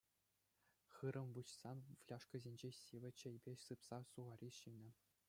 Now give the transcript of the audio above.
Хырӑм выҫсан фляжкӑсенчи сивӗ чейпе сыпса сухари ҫинӗ.